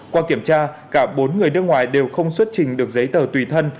qua kiểm tra cả bốn người nước ngoài đều không xuất trình được giấy tờ tùy thân